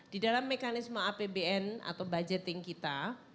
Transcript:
di dalam mekanisme apbn atau budgeting kita